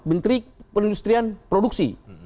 menteri penindustrian produksi